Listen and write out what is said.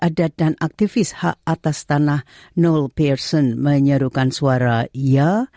adat dan aktivis hak atas tanah noel pearson menyerukan suara ya